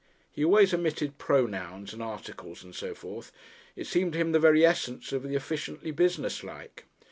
He always omitted pronouns and articles and so forth; it seemed to him the very essence of the efficiently businesslike.